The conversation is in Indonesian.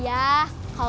yang ia pa ini